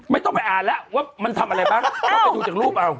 ไม่ต้องไปอ่านแล้วว่ามันทำอะไรบ้างลองไปดูจากรูปเอา